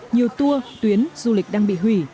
nhiều tour tuyến du lịch đang bị hủy